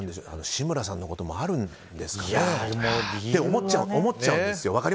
志村さんのこともあるんですかねって思っちゃうんですよ。